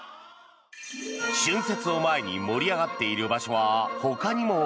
春節を前に盛り上がっている場所はほかにも。